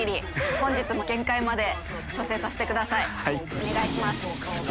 お願いします。